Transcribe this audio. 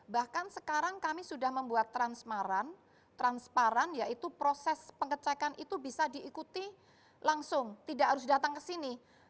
bahkan sekarang kami sudah membuat transparan yaitu proses pengecekan itu bisa diikuti langsung tidak harus datang ke sini